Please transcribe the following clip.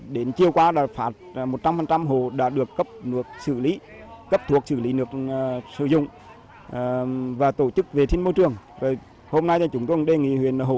đến chiều qua tràm y tế đã cấp phát thuốc xử lý nước sách cho đến tầng tương hộ